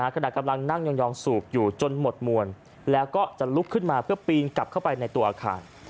ขณะกำลังนั่งยองสูบอยู่จนหมดมวลแล้วก็จะลุกขึ้นมาเพื่อปีนกลับเข้าไปในตัวอาคาร